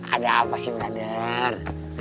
ada apa sih brother